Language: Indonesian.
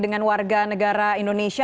dengan warga negara indonesia